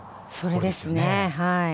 それですね。